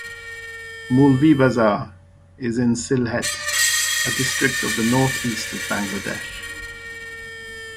Moulvibazar is in Sylhet, a district to the North-East of Bangladesh.